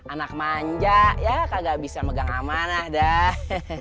anak manja ya kagak bisa megang amanah dah